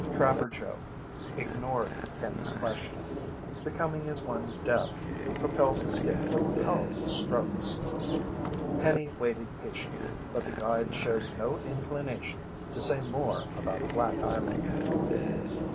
Trapper Joe ignored Penny's question. Becoming as one deaf, he propelled the skiff with powerful strokes. Penny waited patiently, but the guide showed no inclination to say more about Black Island.